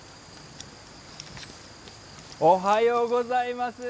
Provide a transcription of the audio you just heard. おはようございます。